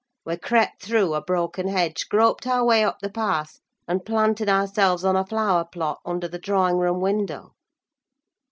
We crept through a broken hedge, groped our way up the path, and planted ourselves on a flower plot under the drawing room window.